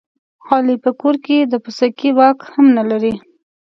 علي په کور کې د پسکې واک هم نه لري.